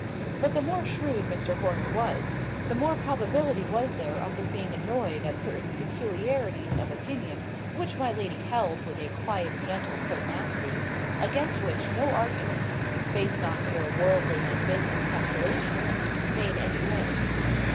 But the more shrewd Mr. Horner was, the more probability was there of his being annoyed at certain peculiarities of opinion which my lady held with a quiet, gentle pertinacity; against which no arguments, based on mere worldly and business calculations, made any way.